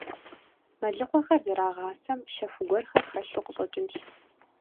Мэлыхъуэхьэр зэрагъасэм щэху гуэрхэр хэлъу къыщӀэкӀынщ.